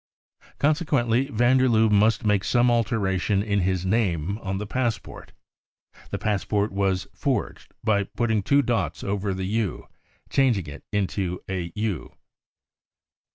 Consequently van der Lubbe must make some alteration in his name on the passport. The passport was " forged 55 by putting two dots over the cc u," changing it into " u."